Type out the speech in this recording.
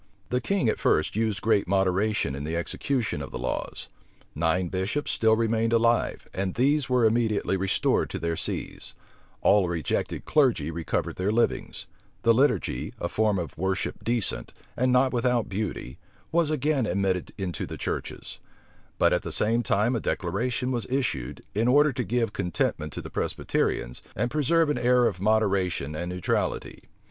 The king at first used great moderation in the execution of the laws. Nine bishops still remained alive; and these were immediately restored to their sees: all the ejected clergy recovered their livings: the liturgy, a form of worship decent, and not without beauty, was again admitted into the churches: but at the same time a declaration was issued, in order to give contentment to the Presbyterians, and preserve an air of moderation and neutrality.